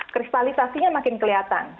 kristalisasi nya makin kelihatan